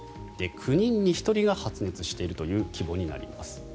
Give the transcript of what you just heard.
９人に１人が発熱しているという規模になります。